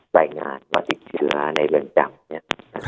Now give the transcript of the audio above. ใส่งานว่าติดเชื้อในเบิ่มจำเนี่ย